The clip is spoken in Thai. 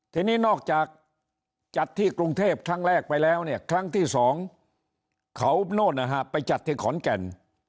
ทีนี้นอกจากจัดที่กรุงเทพครั้งแรกไปแล้วเนี่ยครั้งที่สองเขาโน่นนะฮะไปจัดที่ขอนแก่น